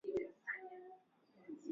mwaga maji uliyolowekea maharage yako